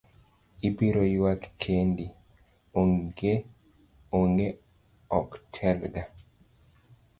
Ibiro yuak kendi, ang'e ok tel ga.